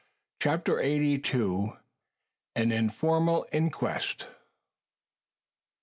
CHAPTER EIGHTY TWO. AN INFORMAL INQUEST.